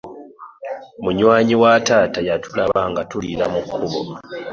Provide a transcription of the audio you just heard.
Munywanyi wa taata yatulaba nga tuliira mu kkubo.